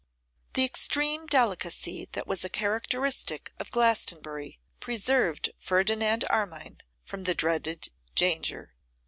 The extreme delicacy that was a characteristic of Glastonbury preserved Ferdinand Armine from the dreaded danger.